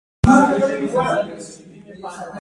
د نیم عمر له مخې رادیواکتیو عناصر له منځه ځي.